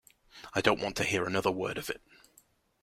I don't want to hear another word of it.